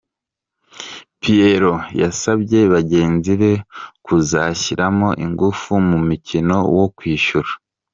Pierro yasabye bagenzi be kuzashyiramo ingufu mu mukino wo kwishyura.